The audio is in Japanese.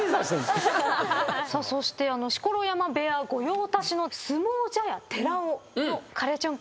そして錣山部屋御用達の相撲茶屋寺尾のカレーちゃん